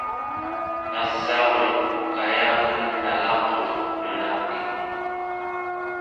nasaurluq kayangunek nalaqutuq nunapigmi